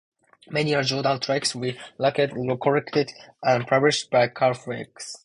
Many of Jordan's tricks were later collected and published by Karl Fulves.